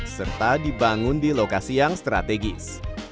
serta dibangun di lokasi yang strategis